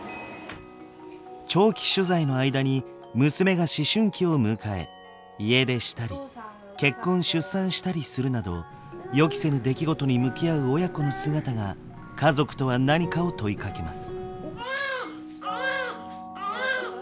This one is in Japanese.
長期取材の間に娘が思春期を迎え家出したり結婚出産したりするなど予期せぬ出来事に向き合う親子の姿が家族とは何かを問いかけます。